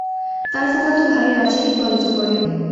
তার ফুফাতো ভাই রাজশাহী কলেজে পড়ে।